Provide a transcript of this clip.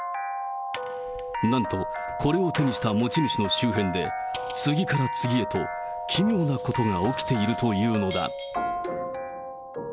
なんと、これを手にした持ち主の周辺で、次から次へと奇妙なことが起きているというのだ。